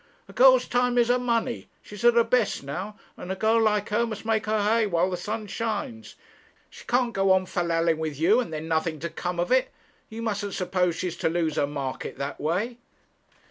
'A girl's time is her money. She's at her best now, and a girl like her must make her hay while the sun shines. She can't go on fal lalling with you, and then nothing to come of it. You mustn't suppose she's to lose her market that way.'